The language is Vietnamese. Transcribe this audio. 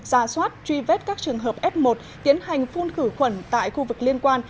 ra soát truy vết các trường hợp f một tiến hành phun khử khuẩn tại khu vực liên quan